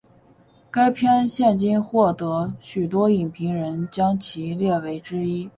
该片现今获得许多影评人将其列为之一。